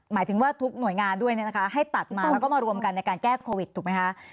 หมายถึงว่าทุกหน่วยงานด้วยให้ตัดมาแล้วก็มารวมกันในการแก้โควิดถูกไหมคะ